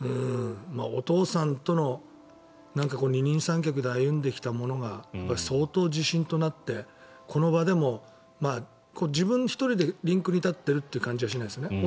お父さんとの二人三脚で歩んできたものが相当、自信となってこの場でも自分１人でリンクに立っているという感じはしないですね。